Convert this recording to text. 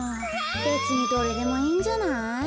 べつにどれでもいいんじゃない？